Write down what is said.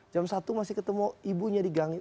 jam satu masih ketemu ibunya di gang